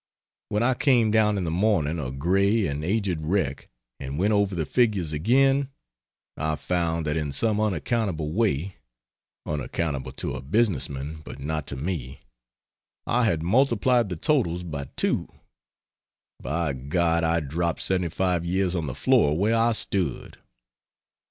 When I came down in the morning a gray and aged wreck, and went over the figures again, I found that in some unaccountable way (unaccountable to a business man but not to me) I had multiplied the totals by 2. By God I dropped 75 years on the floor where I stood.